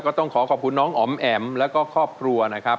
ต้องขอขอบคุณน้องอ๋อมแอ๋มแล้วก็ครอบครัวนะครับ